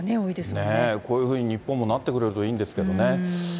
こういうふうに、日本もなってくれるといいんですけどね。